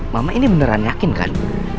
mama ini beneran yakin kan